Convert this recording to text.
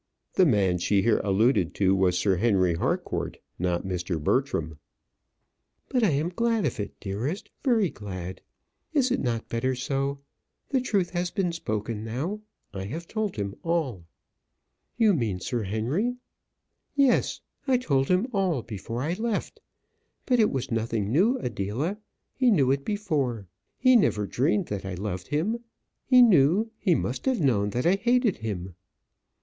The man she here alluded was Sir Henry Harcourt, not Mr. Bertram. "But I am glad of it, dearest; very glad. Is it not better so? The truth has been spoken now. I have told him all." "You mean Sir Henry?" "Yes, I told him all before I left. But it was nothing new, Adela. He knew it before. He never dreamed that I loved him. He knew, he must have known that I hated him."